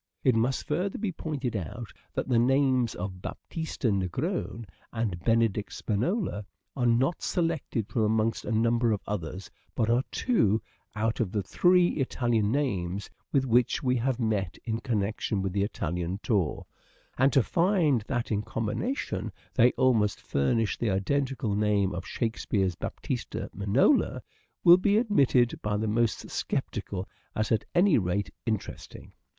It must further be pointed out that the names " Baptista Nig rone " and " Benedict Spinola " are not selected from amongst a number of others, but are two out of the three Italian names with which we have met in connection with the Italian tour ; and to find that, in combination, they almost furnish the identical name of Shakespeare's " Baptista Minola," will be admitted by the most sceptical as at any rate interesting.